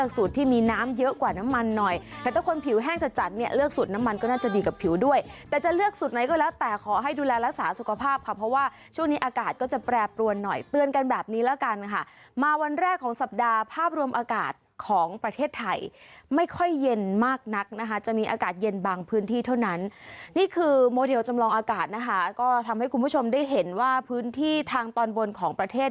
สูตรไหนก็แล้วแต่ขอให้ดูแลรักษาสุขภาพค่ะเพราะว่าช่วงนี้อากาศก็จะแปรปรวนหน่อยเตือนกันแบบนี้แล้วกันค่ะมาวันแรกของสัปดาห์ภาพรวมอากาศของประเทศไทยไม่ค่อยเย็นมากนักนะคะจะมีอากาศเย็นบางพื้นที่เท่านั้นนี่คือโมเดลจำลองอากาศนะคะก็ทำให้คุณผู้ชมได้เห็นว่าพื้นที่ทางตอนบนของป